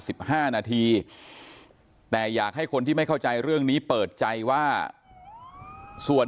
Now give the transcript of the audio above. สิบห้านาทีแต่อยากให้คนที่ไม่เข้าใจเรื่องนี้เปิดใจว่าส่วน